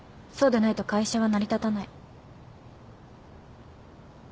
そうでないと会社は成り立たない。